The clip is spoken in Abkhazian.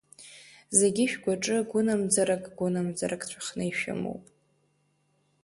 Зегьы шәгәаҿы гәынамӡарак-гәынамӡарак ҵәахны ишәымоуп.